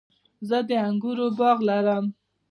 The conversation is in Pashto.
زه د انګورو باغ لرم